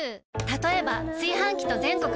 たとえば炊飯器と全国